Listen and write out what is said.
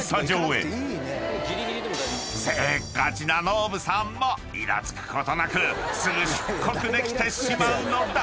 ［せっかちなノブさんもイラつくことなくすぐ出国できてしまうのだ！］